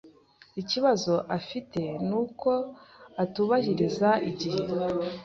Ikibazo afite ni uko atubahiriza igihe.